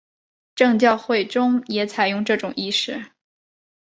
正教会中也采用这种仪式。